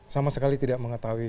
sama sekali tidak mengetahui